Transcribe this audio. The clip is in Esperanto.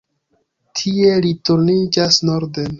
Tie li turniĝas norden.